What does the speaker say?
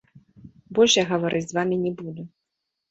Больш я гаварыць з вамі не буду.